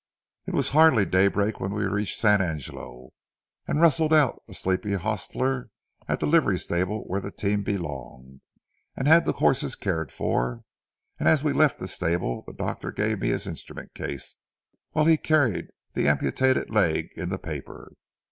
It was hardly daybreak when we reached San Angelo, rustled out a sleepy hostler at the livery stable where the team belonged, and had the horses cared for; and as we left the stable the doctor gave me his instrument case, while he carried the amputated leg in the paper.